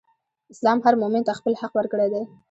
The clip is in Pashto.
اسلام هر مؤمن ته خپل حق ورکړی دئ.